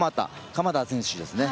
鎌田選手ですね。